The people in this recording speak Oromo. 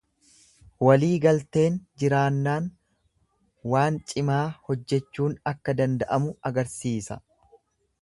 Walii galteen jiraannaan waan cimaa hojjechuun akka danda'amu agarsiisa.